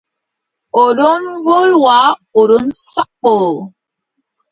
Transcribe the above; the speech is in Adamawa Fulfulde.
O ɗon wolwa o ɗon sappoo.